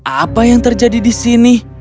apa yang terjadi di sini